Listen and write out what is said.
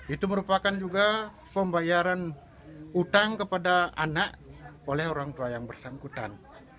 itu merupakan juga pembayaran utang kepada anak oleh orang tua yang bersangkutan